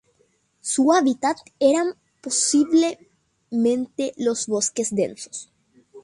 Su hábitat eran posiblemente los bosques densos.